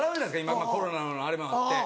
今コロナのあれもあって。